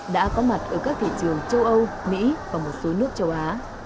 đã có mặt ở các thị trường châu âu mỹ và một số nước châu á